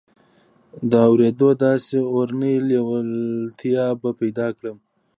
د اورېدو داسې اورنۍ لېوالتیا به پيدا کړم.